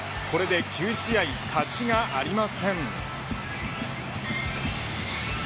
これで９試合勝ちがありません。